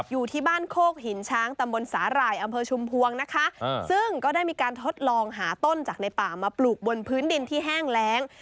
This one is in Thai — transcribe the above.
อยู่ที่บ้านโคกหินช้างตำบลสาหร่ายอำเภอชุมพวงนะคะซึ่งก็ได้มีการทดลองหาต้นจากในป่ามาปลูกบนพื้นดินที่แห้งแรง